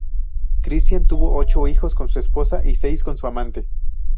Cristián tuvo ocho hijos con su esposa y seis con su amante.